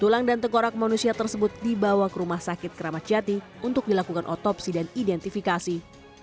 tulang dan tengkorak manusia tersebut dibawa ke rumah sakit keramat jati untuk dilakukan otopsi dan identifikasi